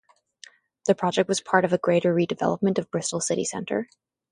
The project was part of a greater redevelopment of Bristol city centre.